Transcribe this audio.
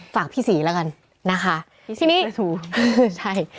ฝากพี่ศรีแล้วกันนะคะ